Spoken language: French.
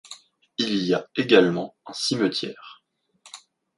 Il y a également un cimetière.